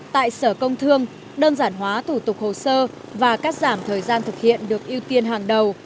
tại sở công thương đơn giản hóa thủ tục hồ sơ và cắt giảm thời gian thực hiện được ưu tiên hàng đầu